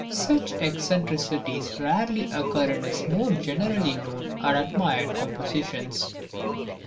Such eccentricities rarely occur in his more generally known and admired compositions.